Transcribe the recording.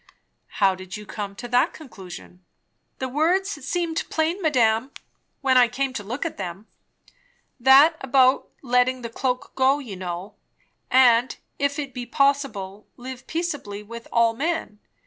"How did you come to that conclusion?" "The words seemed plain, madame, when I came to look at them. That about letting the cloak go, you know; and, 'If it be possible, ... live peaceably with all men.'